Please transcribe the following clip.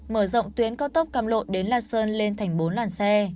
mở rộng tuyến cao tốc cam lộ đến la sơn lên thành bốn làn xe